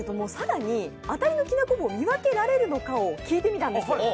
更に、当たりのきなこ棒を見分けられるのかを聞いてみたんです。